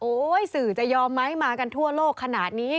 สื่อจะยอมไหมมากันทั่วโลกขนาดนี้